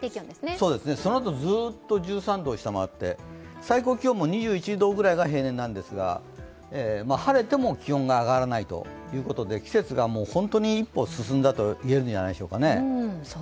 そのあとずっと１３度を下回って最高気温も２１度ぐらいが平年なんですが、晴れても気温が上がらないということで季節が本当に一歩進んだと言えるんじゃないでしょうかね。